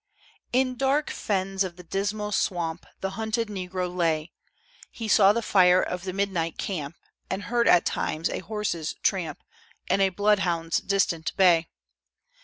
In dark fens of the Dismal Swamp The hunted Negro lay; He saw the fire of the midnight camp, And heard at times a horse's tramp And a bloodhound's distant bay.